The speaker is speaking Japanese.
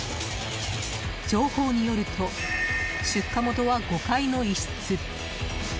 情報によると出火元は５階の一室。